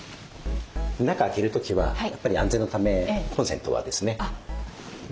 中開ける時はやっぱり安全のためコンセントはですね抜いて頂いて。